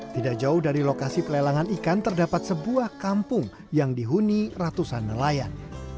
tidak jauh dari lokasi pelelangan ikan terdapat sebuah kampung yang dihuni ratusan nelayan